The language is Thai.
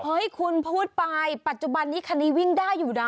เฮ้ยคุณพูดไปปัจจุบันนี้คันนี้วิ่งได้อยู่นะ